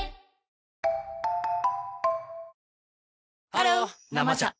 ハロー「生茶」